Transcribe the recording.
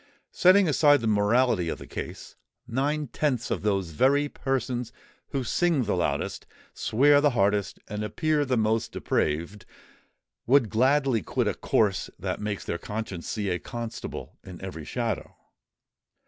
Setting aside the morality of the case, nine tenths of those very persons who sing the loudest, swear the hardest, and appear the most depraved, would gladly quit a course that makes their conscience see a constable in every shadow.